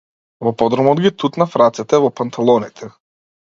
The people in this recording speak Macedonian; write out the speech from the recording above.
Во подрумот ги тутнав рацете во панталоните.